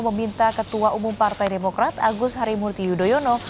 meminta ketua umum partai demokrat agus harimurti yudhoyono